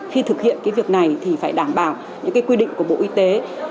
khi thực hiện việc này thì phải đảm bảo những quy định của bộ y tế